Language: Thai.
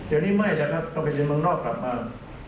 อันนี้ไม่นะต้องไปเจนบังนอกกลับมา